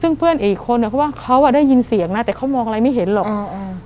ซึ่งเพื่อนอีกคนอ่ะเขาว่าเขาอ่ะได้ยินเสียงนะแต่เขามองอะไรไม่เห็นหรอกอืม